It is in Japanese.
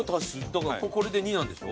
だからこれで２なんでしょ？